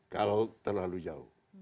kalau terlalu jauh